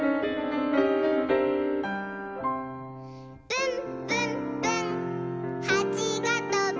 「ぶんぶんぶんはちがとぶ」